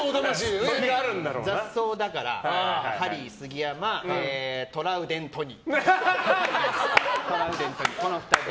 雑草だからハリー杉山、トラウデン都仁。